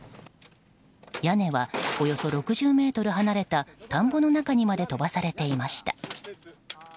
屋根は、およそ６０ｍ離れた田んぼの中にまで飛ばされていました。